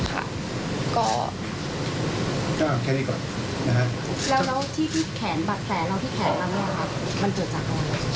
แล้วรอบแผลและที่แขนที่แขนแล้วมันเกิดจากอะไร